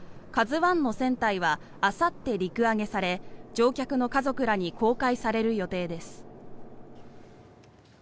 「ＫＡＺＵ１」の船体はあさって、陸揚げされ乗客の家族らに公開される予定です。